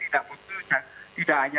tidak butuh tidak hanya